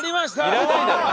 いらないだろ！